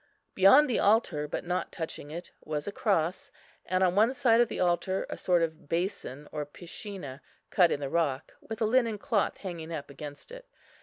Beyond the altar, but not touching it, was a cross; and on one side of the altar a sort of basin or piscina cut in the rock, with a linen cloth hanging up against it.